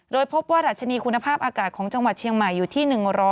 โดยพบว่าดัชนีคุณภาพอากาศของจังหวัดเชียงใหม่อยู่ที่๑๐๐